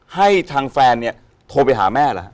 ให้ทางแฟนเนี่ยโทรไปหาแม่เหรอฮะ